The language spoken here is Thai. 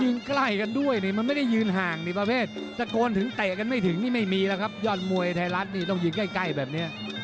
ใกล้กันด้วยนี่มันไม่ได้ยืนห่างนี่ประเภทตะโกนถึงเตะกันไม่ถึงนี่ไม่มีแล้วครับยอดมวยไทยรัฐนี่ต้องยืนใกล้แบบนี้